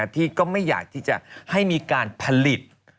พี่ก็ไม่อยากที่จะให้มีการผลิต